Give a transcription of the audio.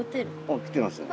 おっ来てます。